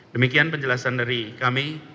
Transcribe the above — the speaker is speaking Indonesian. demikian penjelasan dari kami